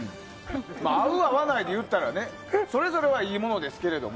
合う、合わないで言ったらねそれぞれはいいものですけど。